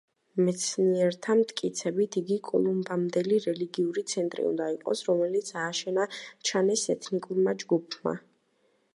მეცნიერთა მტკიცებით იგი კოლუმბამდელი რელიგიური ცენტრი უნდა იყოს, რომელიც ააშენა ჩანეს ეთნიკურმა ჯგუფმა.